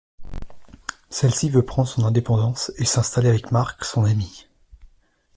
Celle-ci veut prendre son indépendance et s'installer avec Marc, son ami.